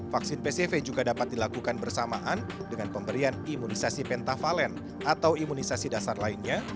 vaksin pcv juga dapat dilakukan bersamaan dengan pemberian imunisasi pentavalen atau imunisasi dasar lainnya